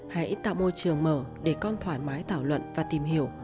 hãy tạo môi trường mở để con thoải mái thảo luận và tìm hiểu